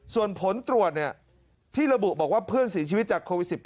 ส่วนผลตรวจที่ระบุบอกว่าเพื่อนเสียชีวิตจากโควิด๑๙